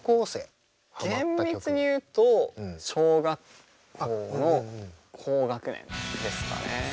厳密にいうと小学校の高学年ですかね。